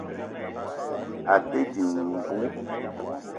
À te dìng mbú